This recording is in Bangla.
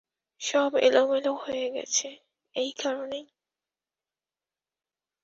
সব এলোমেলো হয়ে গেছে এই কারণেই।